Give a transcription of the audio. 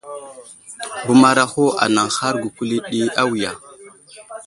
Bəmaraho anaŋhar gukuli ɗi awiya.